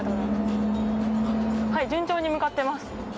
順調に向かってます。